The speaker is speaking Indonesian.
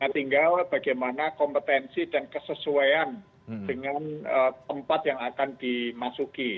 tinggal bagaimana kompetensi dan kesesuaian dengan tempat yang akan dimasuki